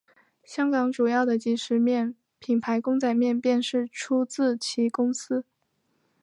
香港主要的即食面品牌公仔面便是出自其公司。